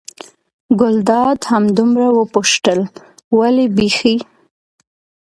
ګلداد همدومره وپوښتل: ولې بېخي.